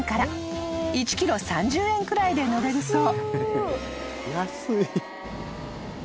［１ｋｍ３０円くらいで乗れるそう］